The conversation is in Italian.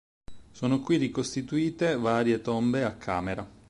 Sono qui ricostituite varie tombe a camera.